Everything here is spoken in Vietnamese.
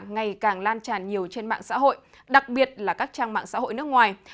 ngày càng lan tràn nhiều trên mạng xã hội đặc biệt là các trang mạng xã hội nước ngoài